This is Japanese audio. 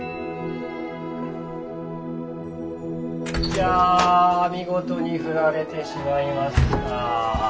いや見事に振られてしまいました。